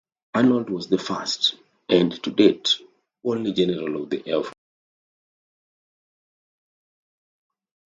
Arnold was the first and, to date, only General of the Air Force.